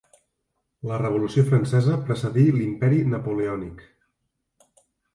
La Revolució Francesa precedí l'imperi napoleònic.